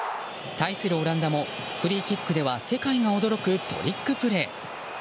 対するオランダもフリーキックでは世界が驚くトリックプレー。